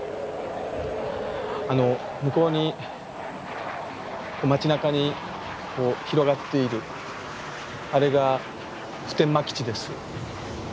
あの向こうに街なかに広がっているあれが普天間基地です。